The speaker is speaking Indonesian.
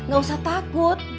gak usah takut